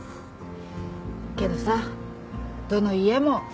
けどさどの家も。